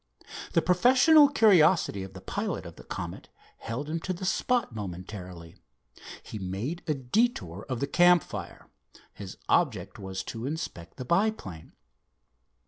The professional curiosity of the pilot of the Comet held him to the spot momentarily. He made a detour of the campfire. His object was to inspect the monoplane.